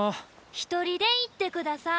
一人で行ってください。